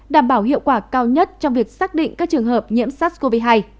đảm bảo hiệu quả cao nhất trong việc xác định các trường hợp nhiễm sars cov hai